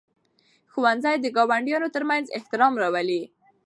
ښوونځي د ګاونډیانو ترمنځ احترام راولي.